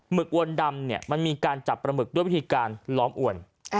หมึกวนดำมันมีการจับปลาหมึกด้วยวิธีการล้อมอ่วน